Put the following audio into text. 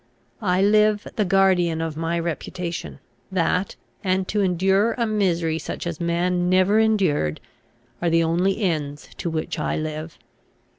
I live the guardian of my reputation. That, and to endure a misery such as man never endured, are the only ends to which I live.